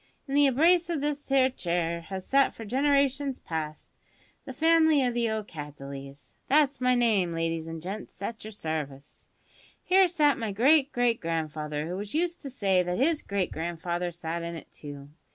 In the embrace o' this 'ere chair has sat for generations past the family o' the Cattleys that's my name, ladies an gents, at your service. Here sat my great great grandfather, who was used to say that his great grandfather sat in it too.